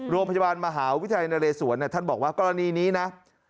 โรงพยาบาลมหาวิทยาลัยนเรศวรท่านบอกว่ากรณีนี้นะ